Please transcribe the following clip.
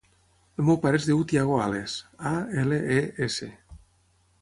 El meu pare es diu Thiago Ales: a, ela, e, essa.